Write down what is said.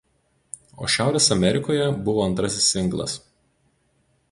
O Šiaurės Amerikoje buvo antrasis singlas.